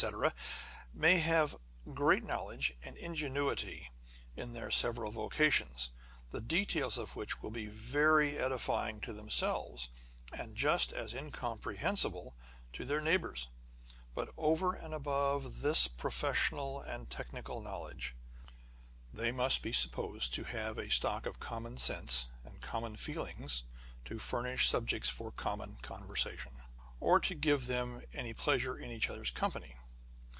may all have great knowledge and ingenuity in their several vocations, the details of which will be very edify ing to themselves, and just as incomprehensible to their neighbours : but over and above this professional and technical knowledge, they must be supposed to have a stock of common sense and common feeling to furnish subjects for common conversation, or to give them any pleasure in each other's company.